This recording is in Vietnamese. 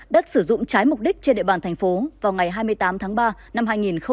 đất sử dụng trái mục đích trên địa bàn thành phố vào ngày hai mươi tám tháng ba năm hai nghìn hai mươi